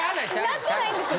なってないんですよ。